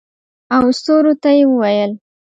او ستورو ته یې وویل